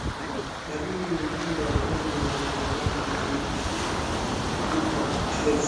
Dalili nyingine ya ugonjwa wa ndigana baridi ni kuvimba kwa tezi